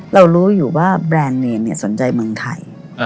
เรารู้อยู่ว่าแบรนด์เนมสนใจเมืองไทย